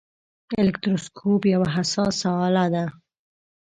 الکتروسکوپ یوه حساسه آله ده.